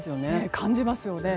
感じますよね。